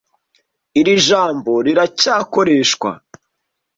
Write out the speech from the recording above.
Iri jambo riracyakoreshwa.